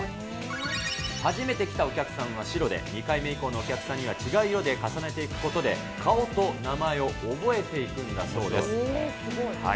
初めて来たお客さんは白で、２回目以降のお客さんは違う色で重ねていくことで、顔と名前を覚えていくんだそうです。